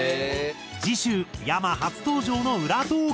次週ｙａｍａ初登場の裏トーク。